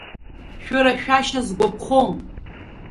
Шәырашәашьа сгәаԥхом!